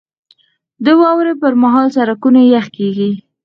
• د واورې پر مهال سړکونه یخ کېږي.